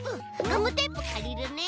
ガムテープかりるね。